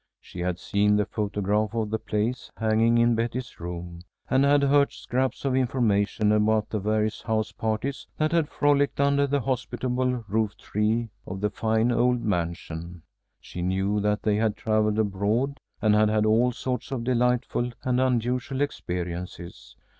She had seen the photograph of the place hanging in Betty's room, and had heard scraps of information about the various house parties that had frolicked under the hospitable rooftree of the fine old mansion. She knew that they had travelled abroad, and had had all sorts of delightful and unusual experiences.